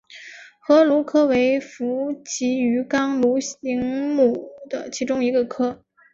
河鲈科为辐鳍鱼纲鲈形目的其中一个科。